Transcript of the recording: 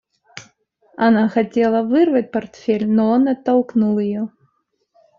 Она хотела вырвать портфель, но он оттолкнул ее.